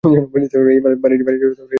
এই বাণিজ্য রেশম পথের অন্তর্ভুক্ত ছিল।